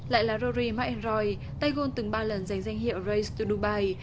lại là rory mcilroy tay gôn từng ba lần giành danh hiệu race to dubai